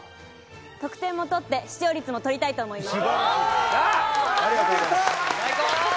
得点も取って視聴率も取りたいと思います。